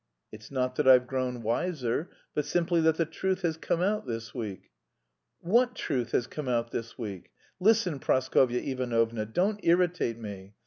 "It's not that I've grown wiser, but simply that the truth has come out this week." "What truth has come out this week? Listen, Praskovya Ivanovna, don't irritate me.